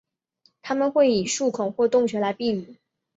它们会以树孔或洞穴来避雨。